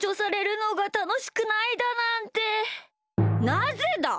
なぜだ！